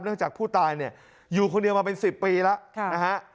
เนื่องจากผู้ตายอยู่คนนี้มาเป็นสิบปีแล้ว